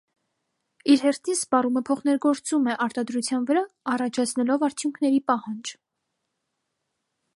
Իր հերթին սպառումն փոխներգործում է արտադրության վրա՝ առաջացնելով արդյունքների պահանջ։